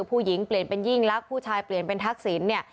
ผู้หญิงเปลี่ยนเป็นยิ่งรักผู้ชายเปลี่ยนเป็นทักศิลป์เนี่ย